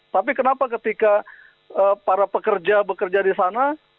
tapi kenapa ketika para pekerja bekerja di sana